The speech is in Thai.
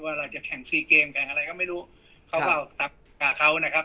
เราจะแข่งซีเกมแข่งอะไรก็ไม่รู้เขาก็ออกตักกับเขานะครับ